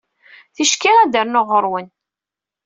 Ticki ad d-rnuɣ ɣer-wen.